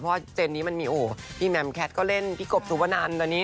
เพราะว่าเจนนี้มันมีโอ้โหพี่แมมแคทก็เล่นพี่กบสุวนันตอนนี้